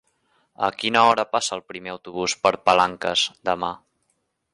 A quina hora passa el primer autobús per Palanques demà?